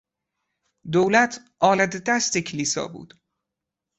دولت آلت دست کلیسا بود.